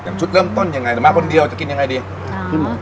อย่างชุดเริ่มต้นอย่างไรแต่มาคนเดียวจะกินอย่างไรดี